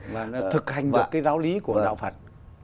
và thực hành được cái giáo lý của đạo phật